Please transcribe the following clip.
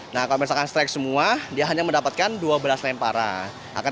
nah kalau misalkan strike semua dia hanya mendapatkan dua belas lemparan